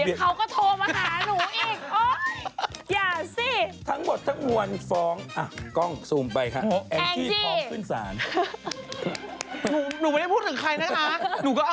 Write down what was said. เดี๋ยวเขาก็โทรมาหาหนูอีก